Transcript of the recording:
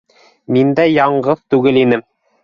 Мин дә яңғыҙ түгел инем